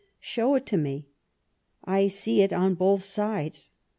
" Show it me ! I see it on both sides.